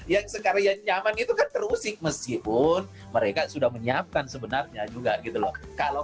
yang sekarang yang nyaman itu kan terusik meskipun mereka sudah menyiapkan sebenarnya juga gitu loh